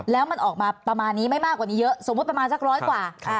แล้วมันออกมาประมาณนี้ไม่มากกว่านี้เยอะสมมุติประมาณสักร้อยกว่า